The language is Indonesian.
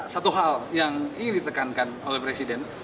satu hal yang ingin ditekankan oleh presiden